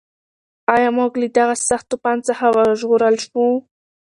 ایا موږ له دغه سخت طوفان څخه وژغورل شوو؟